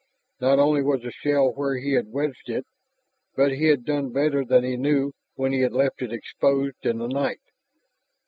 Not only was the shell where he had wedged it, but he had done better than he knew when he had left it exposed in the night.